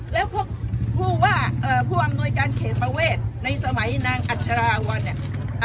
แล้วเขาพูดว่าเอ่อผู้อำนวยการเขตประเวทในสมัยนางอัจฉราวันอะ